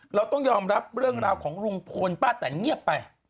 เราต้องยอมรับเรื่องราวของลุงพลป้าแตนเงียบไป